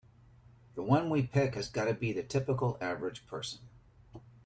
The one we pick has gotta be the typical average person.